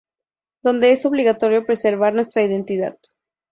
donde es obligatorio preservar nuestra identidad